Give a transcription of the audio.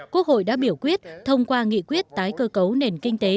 quốc hội đã biểu quyết thông qua nghị quyết tái cơ cấu nền kinh tế